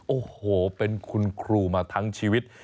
โอ้โหเป็นคุณครูมาทั้งชีวิต